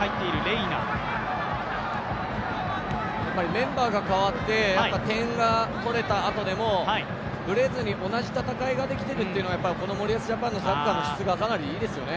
メンバーがかわって点が取れたあとでも、ぶれずに同じ戦いができているっていうのがこの森保ジャパンのサッカーの質がかなりいいですよね。